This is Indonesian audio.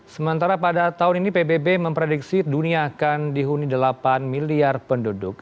sementara pada tahun ini pbb memprediksi dunia akan dihuni delapan miliar penduduk